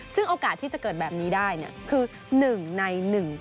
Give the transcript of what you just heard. ซึ่งโอกาสที่จะเกิดแบบนี้ได้คือ๑ใน๑๙